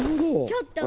ちょっと！